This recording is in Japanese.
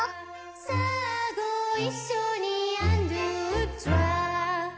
「さぁごいっしょにアン・ドゥ・トロワ！」